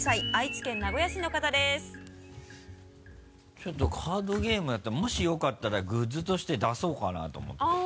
ちょっとカードゲームだったらもしよかったらグッズとして出そうかなと思ってあぁ。